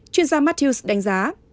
chuyên gia matthews đánh giá